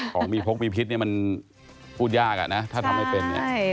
ของมีพลกมีพิษมันพูดยากถ้าทำไม่เป็น